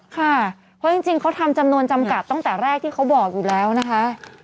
ค่ะเพราะจริงเขาทำจำนวนจำกัดตั้งแต่แรกที่เขาบอกอยู่แล้วนะคะ